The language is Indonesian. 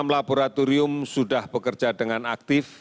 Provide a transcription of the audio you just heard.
tiga puluh enam laboratorium sudah bekerja dengan aktif